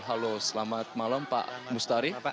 halo selamat malam pak mustari